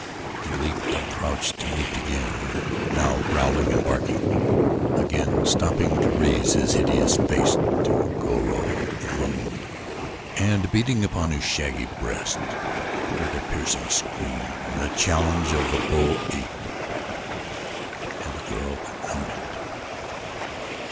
He leaped and crouched and leaped again, now growling and barking, again stopping to raise his hideous face to Goro, the moon, and, beating upon his shaggy breast, uttered a piercing scream the challenge of the bull ape, had the girl but known it.